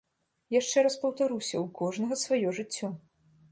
Яшчэ раз паўтаруся, у кожнага сваё жыццё.